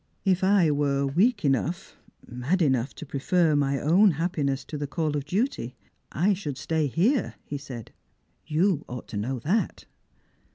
" If I were weak enough, mad enough, to prefer my own hap piness to tho call of duty, I should stay here," he said ;" you ought to know that."